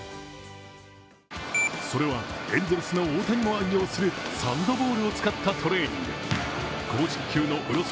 それは、エンゼルスの大谷も愛用するサンドボールを使ったトレーニング。